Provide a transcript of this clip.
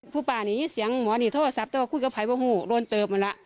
คุณป้านี้เสียงหมอนี่โทรศัพท์แต่ว่าคุยกับไพบ้าหูโรนเติบมันละ